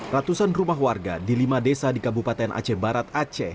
ratusan rumah warga di lima desa di kabupaten aceh barat aceh